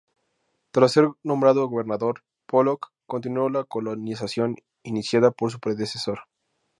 Tras ser nombrado gobernador, Pollock continuó la colonización iniciada por su predecesor.